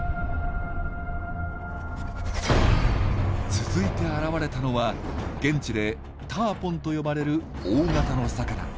続いて現れたのは現地で「ターポン」と呼ばれる大型の魚。